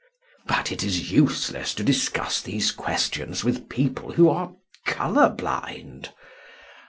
But it is useless to discuss these questions with people who are colour blind.